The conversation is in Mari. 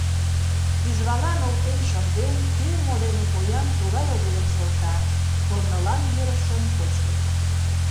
Тӱжвалан олтен шынден, кӧ мо дене поян, тугай обедым шолта, корнылан йӧрышын кочкыт.